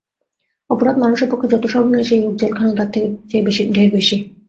অপরাধ মানুষের পক্ষে যত সর্বনেশেই হোক, জেলখানা তার চেয়ে ঢের বেশি।